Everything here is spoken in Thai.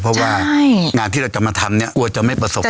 เพราะว่างานที่เราจะมาทำเนี่ยกลัวจะไม่ประสบ